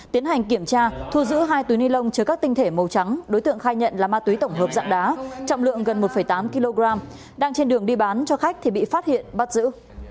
tiến hành kiểm tra thu giữ hai túi ni lông chứa các tinh thể màu trắng đối tượng khai nhận là ma túy tổng hợp dạng đá trọng lượng gần một tám kg đang trên đường đi bán cho khách thì bị phát hiện bắt giữ